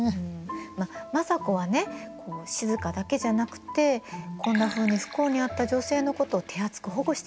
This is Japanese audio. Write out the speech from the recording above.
まあ政子はね静だけじゃなくてこんなふうに不幸にあった女性のことを手厚く保護してたの。